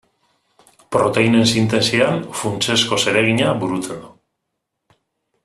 Proteinen sintesian funtsezko zeregina burutzen du.